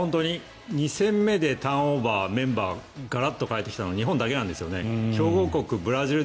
２戦目でターンオーバーメンバーガラッと代えてきたのは日本だけなんです。